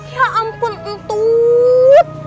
ya ampun untuk